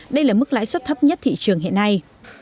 đây là mức lãi suất thấp nhất thị trường hiện nay